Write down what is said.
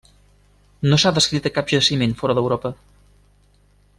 No s'ha descrit a cap jaciment fora d'Europa.